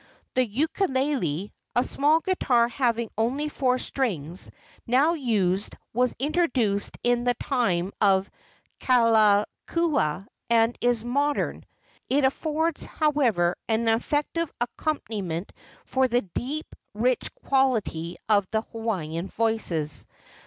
The ukelele, a small guitar having only four strings, now used was introduced in the time of Kalakaua and is modern. It affords, however, an effective accompaniment for the deep, rich quality of the Hawaiian voices.